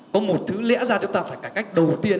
có một thứ lẽ ra chúng ta phải cải cách đầu tiên